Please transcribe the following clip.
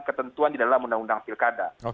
ketentuan di dalam undang undang pilkada